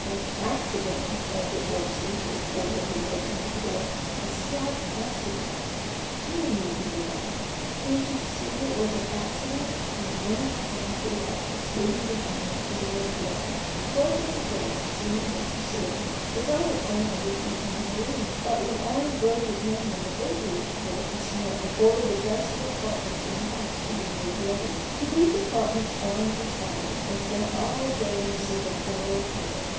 "An accident," he panted hoarsely to the porter who opened the door :" a slight accident ! God damn you !" he yelled, "can't you see it was an accident ?" and he went up the hall to the office, leaving behind him a trail of blood. The clerk at the desk, seeing his disorder, was on the 50 A BOOK OF BARGAINS. point of refusing him a room ; but when Orange wrote his name in the visitor's book, he smirked, and ordered the best set of apartments in the house to be made ready. To these apartments Orange retired, and sat all day in a sort of dull horror.